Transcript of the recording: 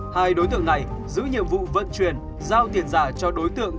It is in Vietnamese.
hai đối tượng này giữ nhiệm vụ vận chuyển giao tiền giả cho đối tượng